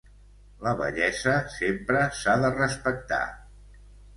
La vellesa sempre s'ha de respectar.